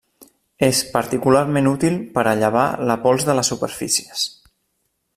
És particularment útil per a llevar la pols de les superfícies.